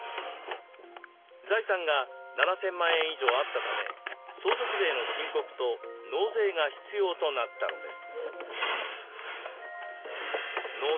財産が７，０００万円以上あったため相続税の申告と納税が必要となったのです。